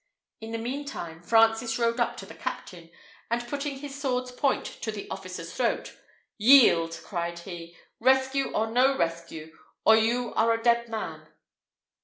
In the mean time, Francis rode up to the captain, and, putting his sword's point to the officer's throat, "Yield!" cried he, "rescue or no rescue, or you are a dead man!"